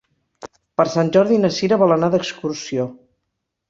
Per Sant Jordi na Sira vol anar d'excursió.